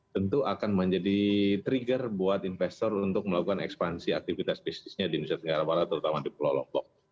tentu akan menjadi trigger buat investor untuk melakukan ekspansi aktivitas bisnisnya di indonesia tenggara barat terutama di pulau lombok